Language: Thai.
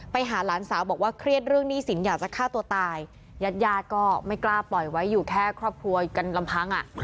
ไปหาหลานสาวบอกว่าเครียดเรื่องหนี้สินอยากจะฆ่าตัวตายญาติญาติก็ไม่กล้าปล่อยไว้อยู่แค่ครอบครัวกันลำพัง